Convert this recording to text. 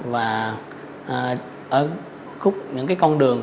và ở khúc những cái con đường